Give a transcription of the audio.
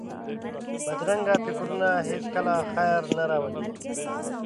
بدرنګه فکرونه هېڅکله خیر نه راولي